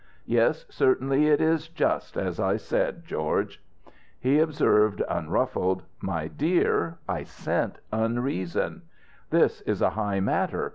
Yes, certainly it is just as I said, George." He observed, unruffled: "My dear, I scent unreason. This is a high matter.